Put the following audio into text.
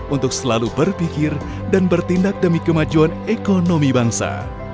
untuk selalu berpikir dan bertindak demi kemajuan ekonomi bangsa